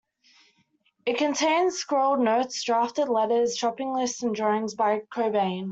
It contains scrawled notes, drafted letters, shopping lists, and drawings by Cobain.